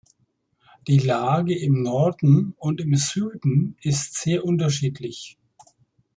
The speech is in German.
Die Lage im Norden und im Süden ist sehr unterschiedlich.